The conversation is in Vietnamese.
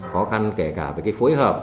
khó khăn kể cả với cái phối hợp